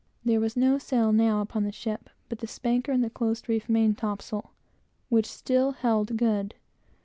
There was no sail now on the ship but the spanker and the close reefed main topsail, which still held good.